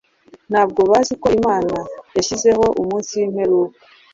Ntabwo bazi ko imana yashyizeho umunsi w’imperuka